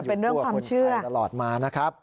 เออแต่เป็นเรื่องความเชื่ออยู่ตัวคนไทยตลอดมานะครับ